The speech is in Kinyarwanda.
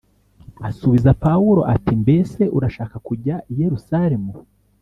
asubiza Pawulo ati mbese urashaka kujya i Yerusalemu